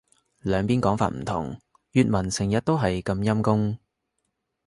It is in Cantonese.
兩邊講法唔同。粵文成日都係咁陰功